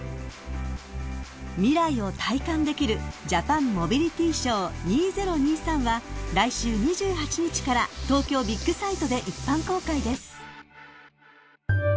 ［未来を体感できるＪＡＰＡＮＭＯＢＩＬＩＴＹＳＨＯＷ２０２３は来週２８日から東京ビッグサイトで一般公開です］